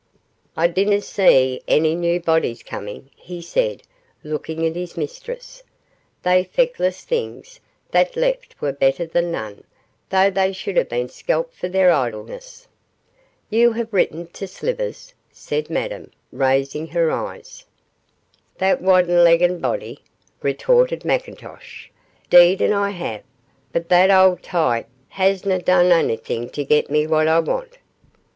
'I dinna see ony new bodies coming,' he said, looking at his mistress. 'They, feckless things, that left were better than none, though they should hae been skelped for their idleness.' 'You have written to Slivers?' said Madame, raising her eyes. 'That wudden legged body,' retorted McIntosh. 'Deed and I have, but the auld tyke hasna done onything to getting me what I want.